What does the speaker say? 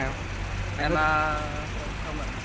mua ở đâu